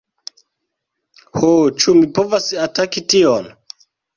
Ho, ĉu mi povas ataki tion?